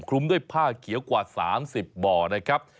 ด้วยผ้าเขียวกว่า๓๐บ่อนะครับ